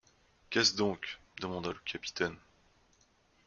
Qu’est-ce donc ? demanda le capitaine.